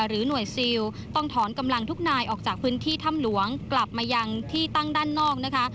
หรือหน่วยซิลต้องถอนกำลังทุกนายออกจากพื้นที่ถ้ำหลวงกลับมายังที่ตั้งด้านนอกนะคะ